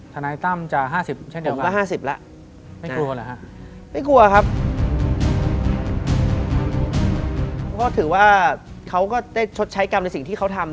ธนัยตั้มจะ๕๐เช่นเดียวกันไม่กลัวหรือฮะไม่กลัวครับถือว่าเขาก็ได้ชดใช้กรรมในสิ่งที่เขาทำ